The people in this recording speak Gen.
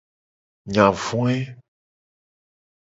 Enya voe.